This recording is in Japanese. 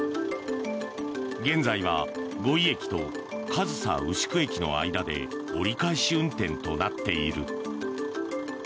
現在は五井駅と上総牛久駅の間で折り返し運転となっている。